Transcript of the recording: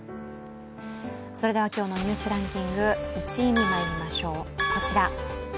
それでは今日の「ニュースランキング」１位にまいりましょう、こちら。